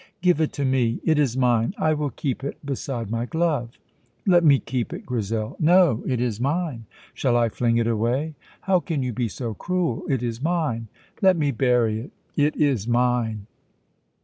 "Give it to me. It is mine. I will keep it, beside my glove." "Let me keep it, Grizel." "No; it is mine." "Shall I fling it away?" "How can you be so cruel? It is mine." "Let me bury it." "It is mine."